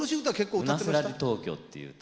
「ウナ・セラ・ディ東京」っていう歌。